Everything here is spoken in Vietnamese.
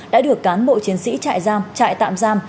đã được cán bộ chiến sĩ trại giam trại tạm giam